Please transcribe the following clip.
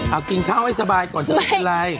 เอากินข้าวให้สบายก่อนจะไม่เป็นไร